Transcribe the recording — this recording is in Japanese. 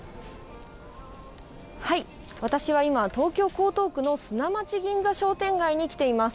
私は今、東京・江東区の砂町銀座商店街に来ています。